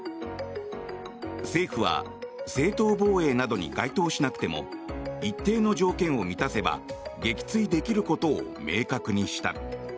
政府は正当防衛などに該当しなくても一定の条件を満たせば撃墜できることを明確にした。